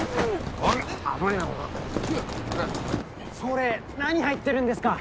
これ何入ってるんですか？